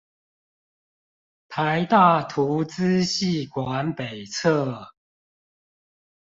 臺大圖資系館北側